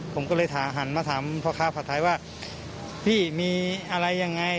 ผมก็เลยหันมาถามพ่อค้าผัดไทยว่าพี่มีอะไรยังไง